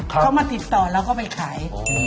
เขามาติดต่อแล้วก็ไปขาย